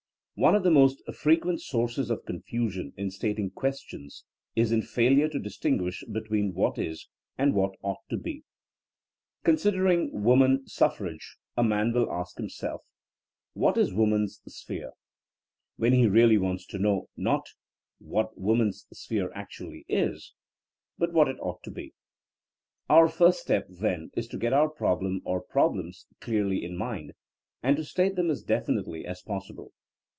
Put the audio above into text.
One of the most frequent sources of confu sion in stating questions is in failure to distin guish between what is and what ought to be. THINKINO A8 A 80IEN0E 17 Considering woman suffrage a man will ask himself "What is woman's sphere!/' when he really wants to know not what woman's sphere actually is, but what it ought to be. Our first step, then, is to get our problem or problems dearly in mind, and to state them as definitely as possible.